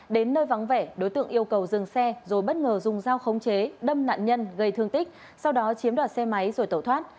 đến nơi vắng vẻ đối tượng yêu cầu dừng xe rồi bất ngờ dùng dao khống chế đâm nạn nhân gây thương tích sau đó chiếm đoạt xe máy rồi tẩu thoát